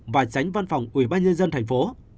và tránh văn phòng ubnd tp